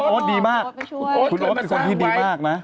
โอ๊ตดีมากคุณอดเป็นคนที่ดีมากนะ